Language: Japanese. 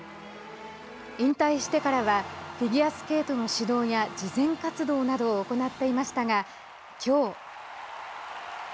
引退してからはフィギュアスケートの指導や慈善活動などを行っていましたがきょう。